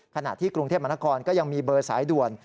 ขณะที่กรุงเทพมนครก็ยังมีเบอร์สายด่วน